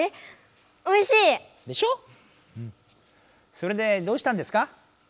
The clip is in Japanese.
それでどうしたんですか？